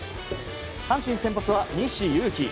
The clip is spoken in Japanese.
阪神先発は西勇輝。